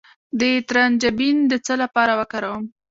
د ترنجبین د څه لپاره وکاروم؟